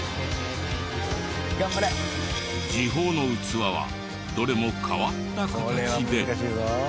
次鋒の器はどれも変わった形で。